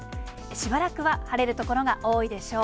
しばらくは晴れる所が多いでしょう。